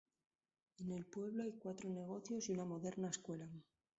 En el pueblo hay cuatro negocios y una moderna escuela.